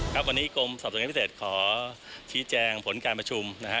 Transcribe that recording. ครับวันนี้กรมศัพท์สังเกณฑ์พิเศษขอชี้แจงผลการประชุมนะฮะ